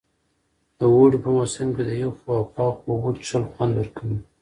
د اوړي په موسم کې د یخو او پاکو اوبو څښل خوند ورکوي.